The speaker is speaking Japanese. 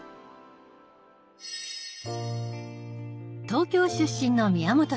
東京出身の宮本先生。